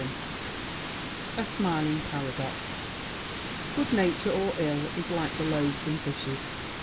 _ A SMILING PARADOX Good nature or ill is like the loaves and fishes.